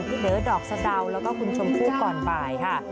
เด๋อดอกสะดาวแล้วก็คุณชมพู่ก่อนบ่ายค่ะ